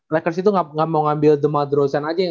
lakers itu gak mau ngambil the maldrozan aja